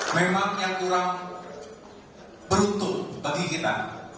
memang yang kurang beruntung bagi kita